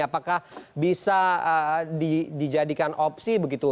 apakah bisa dijadikan opsi begitu